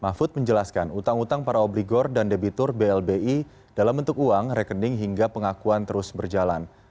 mahfud menjelaskan utang utang para obligor dan debitur blbi dalam bentuk uang rekening hingga pengakuan terus berjalan